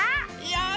よし。